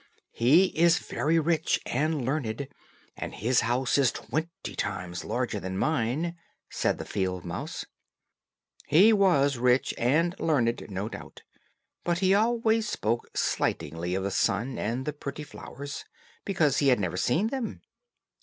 "He is very rich and learned, and his house is twenty times larger than mine," said the field mouse. He was rich and learned, no doubt, but he always spoke slightingly of the sun and the pretty flowers, because he had never seen them.